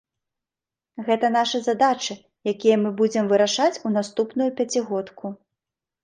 Гэта нашы задачы, якія мы будзем вырашаць у наступную пяцігодку.